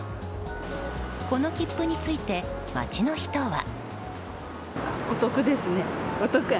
この切符について街の人は。